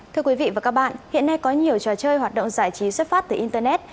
thưa quý vị và các bạn hiện nay có nhiều trò chơi hoạt động giải trí xuất phát từ internet